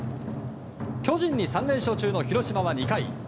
巨人に３連勝中の広島は２回。